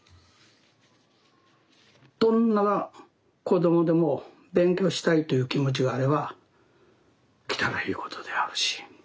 どんな子どもでも勉強したいという気持ちがあれば来たらいいことであるし。